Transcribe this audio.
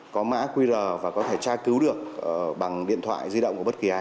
có mã qr và có thể tra cứu được bằng điện thoại di động của bất kỳ ai